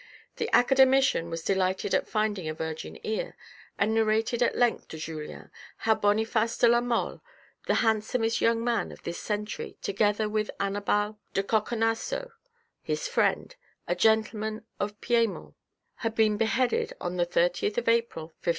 The academician was delighted at finding a virgin ear, and narrated at length to Julien how Boniface de la Mole, the handsomest young man of this century together with Annibal de Coconasso, his friend, a gentleman of Piedmont, had been beheaded on the 30th April, 1574.